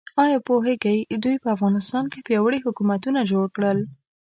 ایا پوهیږئ دوی په افغانستان کې پیاوړي حکومتونه جوړ کړل؟